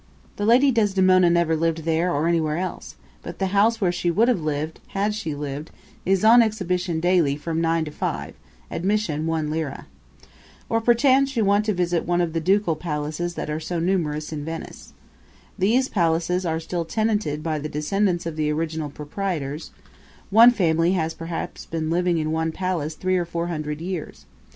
The lady Desdemona never lived there or anywhere else, but the house where she would have lived, had she lived, is on exhibition daily from nine to five, admission one lira. Or perchance you want to visit one of the ducal palaces that are so numerous in Venice. These palaces are still tenanted by the descendants of the original proprietors; one family has perhaps been living in one palace three or four hundred years.